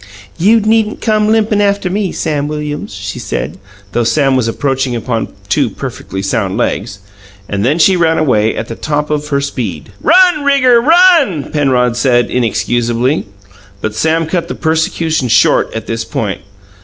"You needn't come limpin' after me, Sam Williams!" she said, though Sam was approaching upon two perfectly sound legs. And then she ran away at the top of her speed. "Run, rigger, run!" Penrod began inexcusably. But Sam cut the persecutions short at this point.